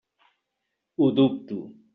Ho dubto.